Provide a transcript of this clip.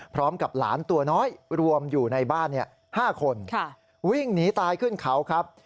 พร้อมกับหลานตัวน้อยรวมอยู่ในบ้าน๕คนวิ่งหนีตายขึ้นเขาครับ